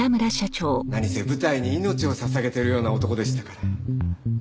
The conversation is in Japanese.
何せ舞台に命を捧げてるような男でしたから。